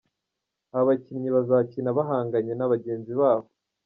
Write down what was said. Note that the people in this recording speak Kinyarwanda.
Aba bakinnyi bazakina bahanganye na bagenzi babo.